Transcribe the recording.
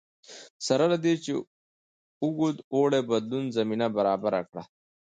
سره له دې چې اوږد اوړي بدلون زمینه برابره کړه